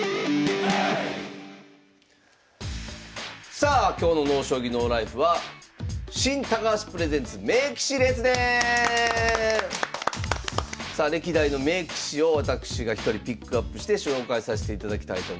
さあ今日の「ＮＯ将棋ＮＯＬＩＦＥ」はさあ歴代の名棋士を私が１人ピックアップして紹介させていただきたいと思います。